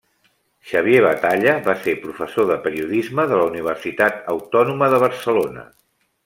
Xavier Batalla va ser professor de periodisme de la Universitat Autònoma de Barcelona.